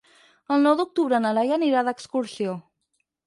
El nou d'octubre na Laia anirà d'excursió.